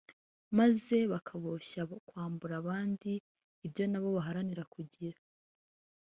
maze bakaboshya kwambura abandi ibyo nabo baharanira kugira